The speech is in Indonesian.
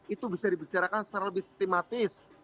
itu bisa dibicarakan secara lebih sistematis